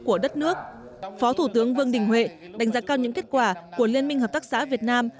phó thủ tướng vương đình huệ đánh giá cao những kết quả của liên minh hợp tác xã việt nam